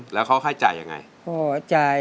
สวัสดีครับ